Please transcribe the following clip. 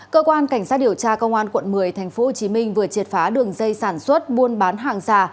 cơ quan cảnh sát điều tra công an quận một mươi tp hcm vừa triệt phá đường dây sản xuất buôn bán hàng giả